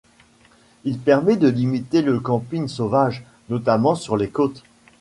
Il permet de limiter le camping sauvage, notamment sur les côtes.